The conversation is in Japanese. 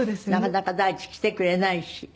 なかなか第一来てくれないし。